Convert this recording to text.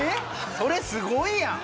それすごいやん！